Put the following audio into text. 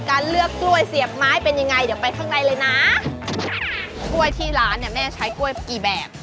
การเลือกกล้วยเสียบไม้เป็นยังไงเดี๋ยวไปข้างในเลยนะกล้วยที่ร้านเนี่ยแม่ใช้กล้วยกี่แบบ